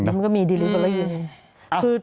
มันก็มีดีลิฟต์เบลออยู่นี่